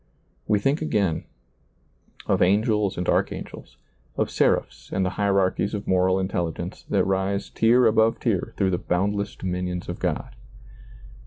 We think again, of angels and archangels, of seraphs and the hierarchies of moral intelligence that rise tier above tier through the boundless ^lailizccbvGoOgle SEEING DARKLY 9 dominions of God.